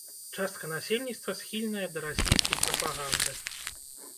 Частка насельніцтва схільная да расійскай прапаганды.